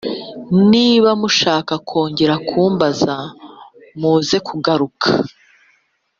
Niba mushaka kongera kumbaza, muze kugaruka.»